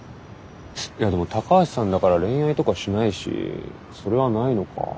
いやでも高橋さんだから恋愛とかしないしそれはないのか。